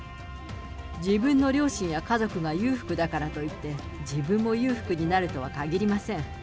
自分の両親や家族が裕福だからといって、自分も裕福になるとはかぎりません。